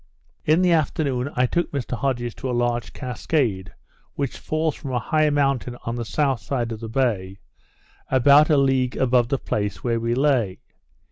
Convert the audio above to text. In the afternoon, I took Mr Hodges to a large cascade, which falls from a high mountain on the south side of the bay, about a league above the place where we lay.